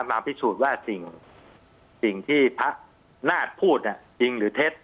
มาพิสูจน์ว่าสิ่งที่พระนาฏพูดจริงหรือเท็จ